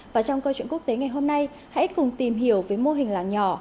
và trong câu chuyện quốc tế ngày hôm nay hãy cùng tìm hiểu về mô hình làng nhỏ